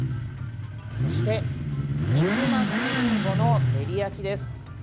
そして、肉巻きりんごの照り焼きです。